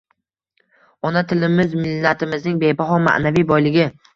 Ona tilimiz millatimizning bebaho maʼnaviy boyligi.